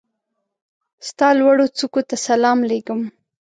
ستا لوړوڅوکو ته سلام لېږم